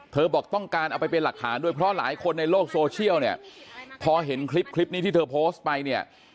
บอกต้องการเอาไปเป็นหลักฐานด้วยเพราะหลายคนในโลกโซเชียลเนี่ยพอเห็นคลิปคลิปนี้ที่เธอโพสต์ไปเนี่ย